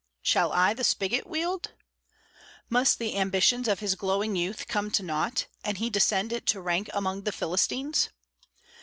"Shall I the spigot wield?" Must the ambitions of his glowing youth come to naught, and he descend to rank among the Philistines?